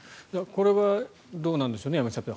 これはどうなんでしょうね山口さん。